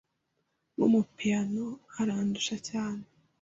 Nkumupiyano, arandusha cyane.